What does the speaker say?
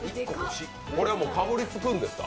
これはかぶりつくんですか？